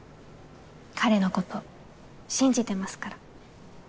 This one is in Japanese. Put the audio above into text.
彼のこと信じてますから。